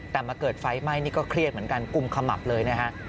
แต่มาเกิดไฟไหม้นี่ก็เครียดเหมือนกันกุมขมับเลยนะฮะ